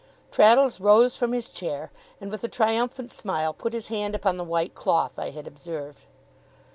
Traddles rose from his chair, and, with a triumphant smile, put his hand upon the white cloth I had observed.